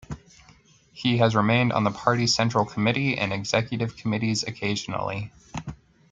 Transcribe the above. He has remained on the party's central committee and executive committees occasionally.